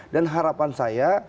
dan harapan saya